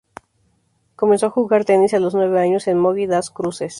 Comenzó a jugar tenis a los nueve años en Mogi das Cruzes.